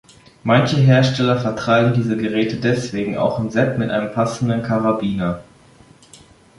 Manche Hersteller vertreiben diese Geräte deswegen auch im Set mit einem passenden Karabiner.